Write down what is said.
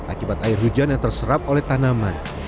akibat air hujan yang terserap oleh tanaman